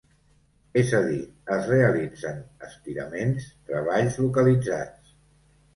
És a dir, es realitzen estiraments, treballs localitzats.